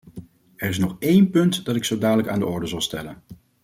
Er is nog één punt dat ik zo dadelijk aan de orde zal stellen.